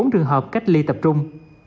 ba mươi bốn trường hợp cách ly tập trung